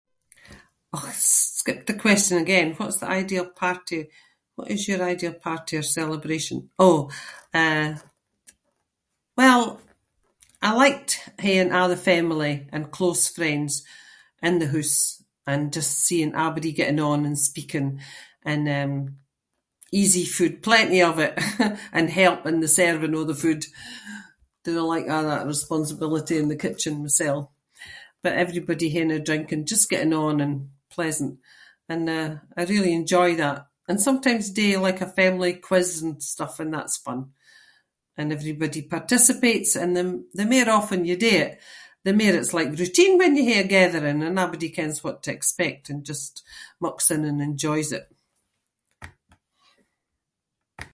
Och, skipped the question again. What’s the ideal party? What is your ideal party or celebration? Oh, eh, well, I liked haeing a’ the family and close friends in the hoose and just seeing abody getting on and speaking and um, easy food- plenty of it and help in the serving of the food. Dinna like all that responsibility in the kitchen mysel, but everybody haeing a drink and just getting on and pleasant and eh, I really enjoy that. I sometimes do like a family quiz and stuff and that’s fun. And everybody participates and the- the mair often you do it, the mair it’s like routine when you hae a gathering and abody kens what to expect and just mucks in and enjoys it.